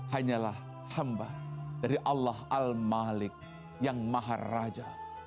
hanyalah hamba dari allah al malik yang maha raja